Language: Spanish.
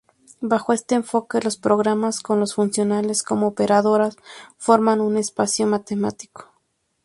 Bajo este enfoque los programas, con los funcionales como operadores, forman un espacio matemático.